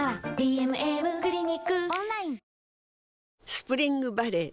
スプリングバレー